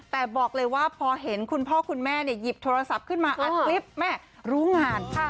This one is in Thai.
แต่บอกเลยว่าพอเห็นคุณพ่อคุณแม่หยิบโทรศัพท์ขึ้นมาอัดคลิปแม่รู้งาน